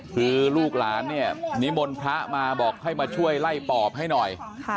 คือลูกหลานเนี่ยนิมนต์พระมาบอกให้มาช่วยไล่ปอบให้หน่อย